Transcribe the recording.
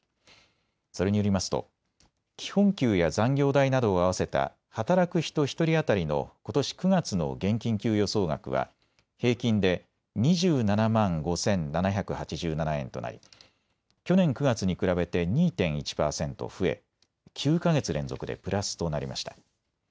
それによりますと基本給や残業代などを合わせた働く人１人当たりのことし９月の現金給与総額は平均で２７万５７８７円となり去年９月に比べて２．１％増え９か月連続でプラスとなりました。